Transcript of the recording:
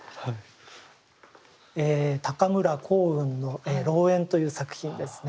え高村光雲の「老猿」という作品ですね。